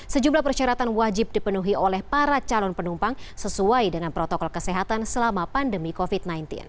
sejumlah persyaratan wajib dipenuhi oleh para calon penumpang sesuai dengan protokol kesehatan selama pandemi covid sembilan belas